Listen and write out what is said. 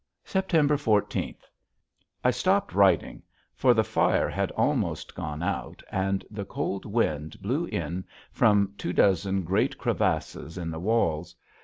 September fourteenth. I stopped writing, for the fire had almost gone out and the cold wind blew in from two dozen great crevasses in the walls.